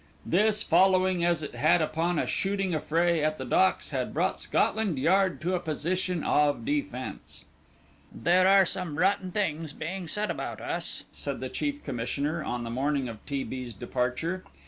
This, following as it had upon a shooting affray at the Docks, had brought Scotland Yard to a position of defence. "There are some rotten things being said about us," said the Chief Commissioner on the morning of T. B.'s departure.